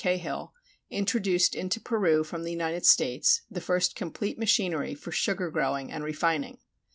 Cahill, introduced into Peru from the United States the first complete machinery for sugar growing and refining.